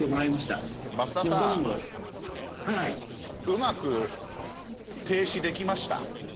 うまく停止できました？